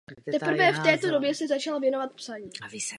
Teprve v této době se začal věnovat psaní.